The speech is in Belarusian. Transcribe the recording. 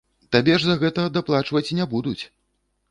Табе ж за гэта даплачваць не будуць!